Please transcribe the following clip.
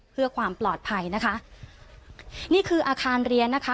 เพื่อความปลอดภัยนะคะนี่คืออาคารเรียนนะคะ